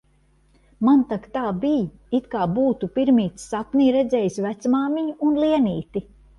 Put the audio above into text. Man tak tā bij, it kā būtu pirmīt sapnī redzējis vecmāmiņu un Lienīti